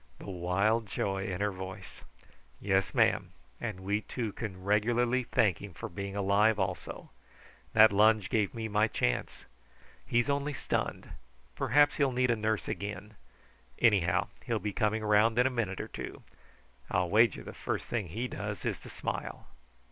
The wild joy in her voice! "Yes, ma'am; and we two can regularly thank him for being alive also. That lunge gave me my chance. He's only stunned. Perhaps he'll need a nurse again. Anyhow, he'll be coming round in a minute or two. I'll wager the first thing he does is to smile.